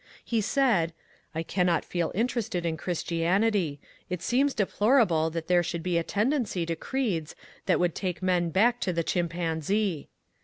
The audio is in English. He said, ^' I cannot feel interested in Christianity ; it seems deplorable that there should be a tendency to creeds that would take men back to the chimpanzee.